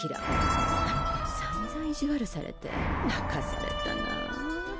あのころさんざん意地悪されて泣かされたなあ。